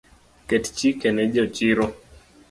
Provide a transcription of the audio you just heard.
Ket chike ne jochiro